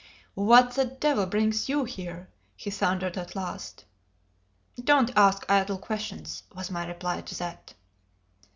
"What the devil brings you here?" he thundered at last. "Don't ask idle questions," was my reply to that.